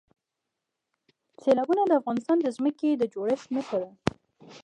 سیلابونه د افغانستان د ځمکې د جوړښت نښه ده.